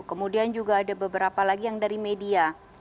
kemudian juga ada beberapa lagi yang dari media